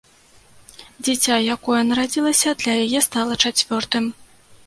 Дзіця, якое нарадзілася, для яе стала чацвёртым.